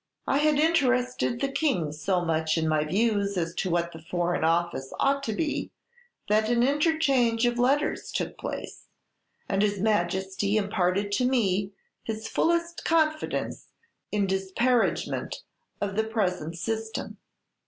"I had interested the King so much in my views as to what the Foreign Office ought to be that an interchange of letters took place, and his Majesty imparted to me his fullest confidence in disparagement of the present system.